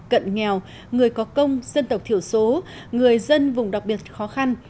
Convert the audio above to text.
cận nghèo người có công dân tộc thiểu số người dân vùng đặc biệt khó khăn